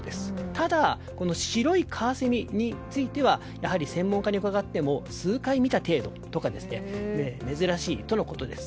ただ、白いカワセミについてはやはり専門家に伺っても数回見た程度とかで珍しいとのことです。